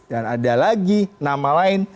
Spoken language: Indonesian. dan ada lagi nama lain